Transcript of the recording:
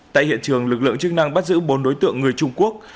tại hiện trường lực lượng chức năng bắt giữ bốn đối tượng người trung quốc